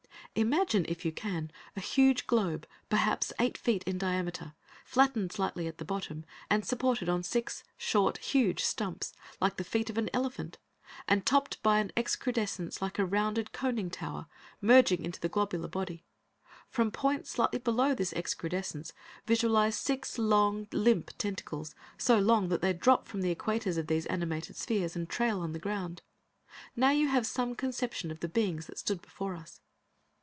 Imagine, if you can, a huge globe, perhaps eight feet in diameter, flattened slightly at the bottom, and supported on six short, huge stumps, like the feet of an elephant, and topped by an excrudescence like a rounded coning tower, merging into the globular body. From points slightly below this excrudescence, visualize six long, limp tentacles, so long that they drop from the equators of these animated spheres, and trail on the ground. Now you have some conception of the beings that stood before us.